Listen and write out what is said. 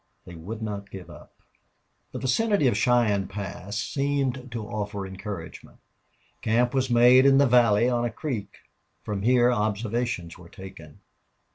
They would not give up. The vicinity of Cheyenne Pass seemed to offer encouragement. Camp was made in the valley on a creek. From here observations were taken.